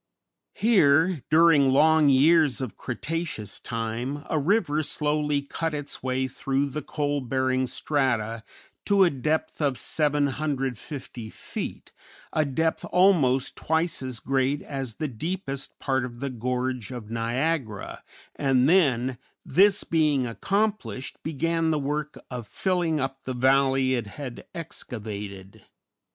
Here, during long years of Cretaceous time, a river slowly cut its way through the coal bearing strata to a depth of 750 feet, a depth almost twice as great as the deepest part of the gorge of Niagara, and then, this being accomplished, began the work of filling up the valley it had excavated.